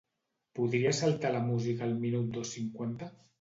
Podries saltar la música al minut dos cinquanta?